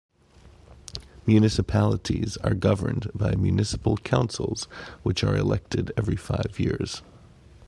Municipalities are governed by municipal councils which are elected every five years.